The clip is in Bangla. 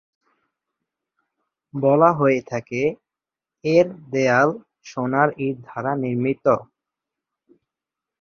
বলা হয়ে থাকে, এর দেয়াল সোনার ইট দ্বারা নির্মিত।